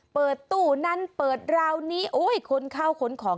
เปิดตู้นั้นเปิดราวนี้โอ้ยขนข้าวขนของ